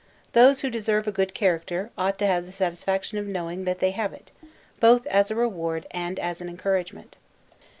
Those who deserve a good character, ought to have the satisfaction of knowing that they have it, both as a reward and as an encouragement.